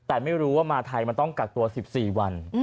แต่ไม่รู้ว่ามาไทยมันต้องกักตัว๑๔วัน